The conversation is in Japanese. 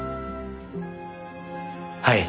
はい。